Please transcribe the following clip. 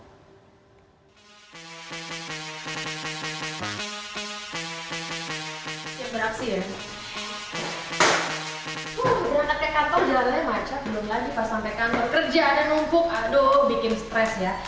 sampai kantor jalanannya macet belum lagi pas sampai kantor kerja ada ngumpuk aduh bikin stres ya